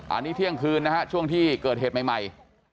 อันนี้เที่ยงคืนนะฮะช่วงที่เกิดเหตุใหม่